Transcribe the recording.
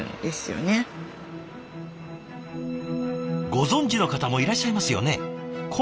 ご存じの方もいらっしゃいますよね？